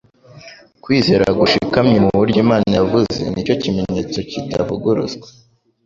Kwizera gushikamye mu byo Imana yavuze nicyo kimenyetso kuavuguruzwa.